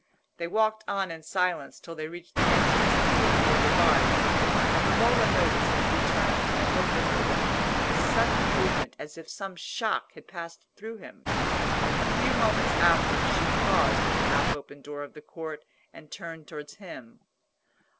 They walked on in silence till they reached the entrance into the Via de' Bardi, and Romola noticed that he turned and looked at her with a sudden movement as if some shock had passed through him. A few moments after, she paused at the half open door of the court and turned towards him.